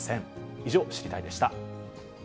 以上、知りたいッ！でした。